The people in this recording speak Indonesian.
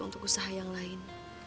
untuk usaha yang lain